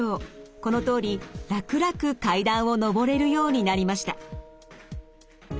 このとおり楽々階段を上れるようになりました。